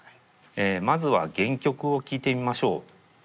まずは原曲を聴いてみましょう。